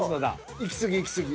いき過ぎいき過ぎ。